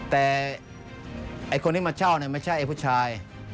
แต่ไอ้คนที่มาเช่าไม่ใช่ไอ้ผู้ชาย